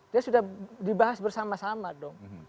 dia sudah dibahas bersama sama dong